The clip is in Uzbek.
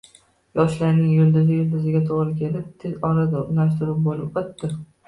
Yoshlarning yulduzi yulduziga to`g`ri kelib, tez orada unashtiruv bo`lib o`tdi